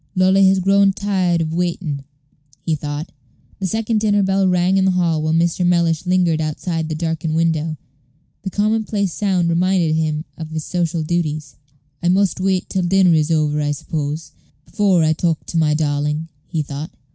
"Lolly has grown tired of waiting," he thought. The second dinner bell rang in the hall while Mr. Mellish lingered outside this darkened window. The commonplace sound reminded him of his social duties. "I must wait till dinner is over, I suppose, before I talk to my darling," he thought.